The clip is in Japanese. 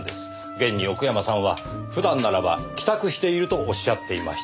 現に奥山さんは普段ならば帰宅しているとおっしゃっていました。